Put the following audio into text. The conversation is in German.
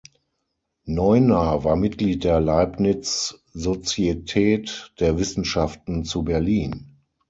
Neuner war Mitglied der Leibniz-Sozietät der Wissenschaften zu Berlin.